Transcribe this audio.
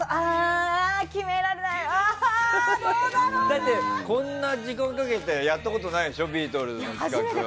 だって、こんな時間かけてやったことないでしょビートルズの企画。